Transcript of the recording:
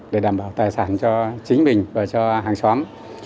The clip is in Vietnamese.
để đảm bảo tài sản cho chính mình và cho hàng xóm